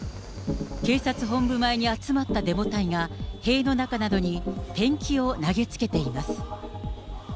警察本部前に集まったデモ隊が、塀の中などにペンキを投げつけています。